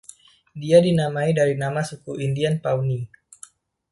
Dia dinamai dari nama suku Indian Pawnee.